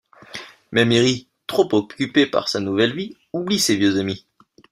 Mais Miri, trop occupée par sa nouvelle vie, oublie ses vieux amis.